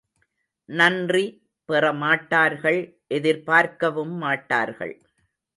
நன்றி பெறமாட்டார்கள் எதிர்பார்க்கவும் மாட்டார்கள்.